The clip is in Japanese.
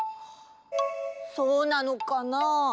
そうなのかな？